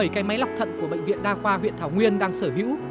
bảy cái máy lọc thận của bệnh viện đa khoa huyện thảo nguyên đang sở hữu